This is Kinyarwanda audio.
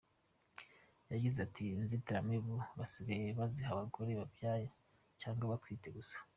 Yagize ati “Inzitiramubu basigaye baziha abagore babyaye cyangwa abatwite gusa.